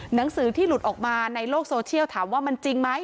หนังสือที่หลุดออกมาในโลกโซเชียลถามว่ามันจริงไหม